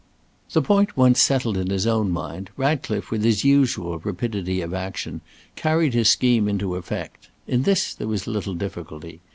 The point once settled in his own mind, Ratcliffe, with his usual rapidity of action, carried his scheme into effect. In this there was little difficulty.